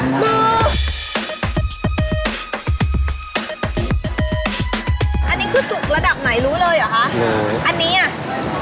อันนี้คือสุกระดับไหนรู้เลยเหรอคะ